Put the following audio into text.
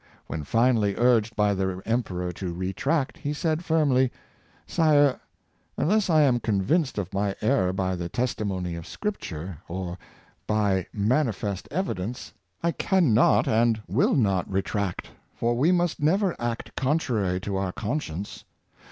When finally urged by the emperor to retract, he said, firmly: "Sire, unless I am convinced of my error by the testimony of scripture, or by manifest evidence, I can not and will not retract, for we must 456 Moral Couras^e. 't> never act contrary to our conscience.